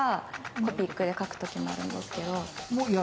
コピックで描く時もあるんですけど。